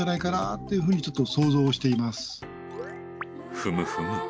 ふむふむ！